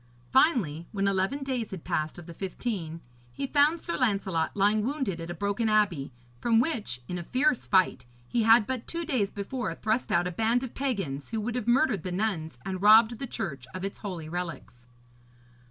Finally, when eleven days had passed of the fifteen, he found Sir Lancelot lying wounded at a broken abbey, from which, in a fierce fight, he had but two days before thrust out a band of pagans, who would have murdered the nuns and robbed the church of its holy relics.